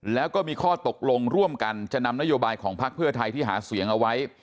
แล้วก็มีข้อตกลงร่วมกันจะนำนโยบายของพักเพื่อไทยที่หาเสียงเอาไว้